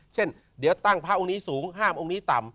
เช่นเดี๋ยวตั้งพระองค์นี้สูงห้ามองค์นี้ต่ำ